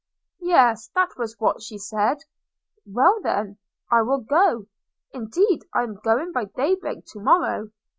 'Yes, that was what she said.' 'Well, then, I will go. Indeed I am going by day break to morrow.